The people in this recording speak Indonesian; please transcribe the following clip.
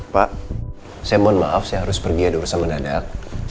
pak saya mohon maaf saya harus pergi ada urusan mendadak